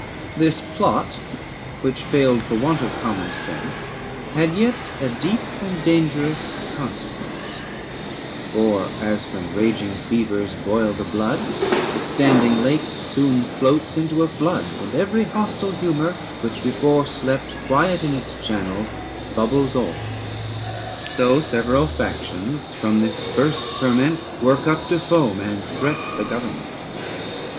This plot, which failed for want of common sense, Had yet a deep and dangerous consequence; 135 For as, when raging fevers boil the blood, The standing lake soon floats into a flood, And every hostile humour which before Slept quiet in its channels bubbles o'er; So several factions from this first ferment 140 Work up to foam and threat the government. 92 ABSALOM AND ACHITOPHEL.